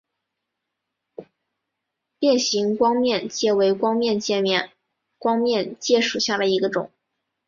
变形光面介为光面介科光面介属下的一个种。